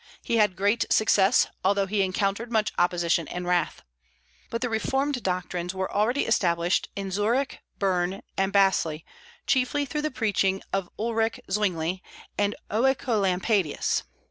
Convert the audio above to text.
He had great success, although he encountered much opposition and wrath. But the reformed doctrines were already established in Zurich, Berne, and Basle, chiefly through the preaching of Ulrich Zwingli, and Oecolampadius.